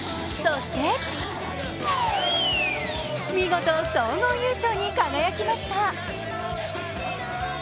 そして、見事、総合優勝に輝きました。